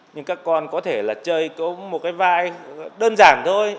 nhưng các con có thể là chơi có một cái vai đơn giản thôi